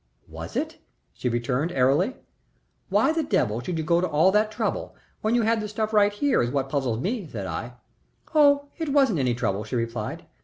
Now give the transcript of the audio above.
"Was it?" she returned, airily. "Why the devil you should go to all that trouble, when you had the stuff right here is what puzzles me," said I. "Oh, it wasn't any trouble," she replied.